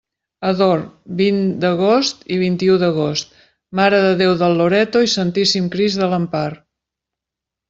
Ador: vint d'agost i vint-i-u d'agost, Mare de Déu del Loreto i Santíssim Crist de l'Empar.